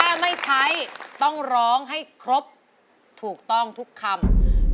ถ้าไม่ใช้ต้องร้องให้ครบถูกต้องทุกคำ